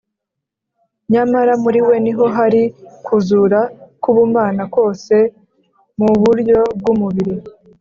Nyamara muri we ni ho hari kuzura k’Ubumana kose mu buryo bw’umubiri